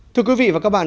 thưa quý vị và các bạn